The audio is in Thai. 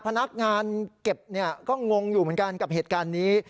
พนักงานเก็บก็งงอยู่เหมือนกันกับเหตุการณ์นี้